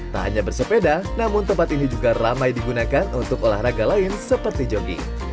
tak hanya bersepeda namun tempat ini juga ramai digunakan untuk olahraga lain seperti jogging